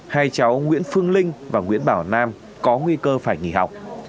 hai cháu nguyễn phương linh và nguyễn bảo nam có nguy cơ phải nghỉ học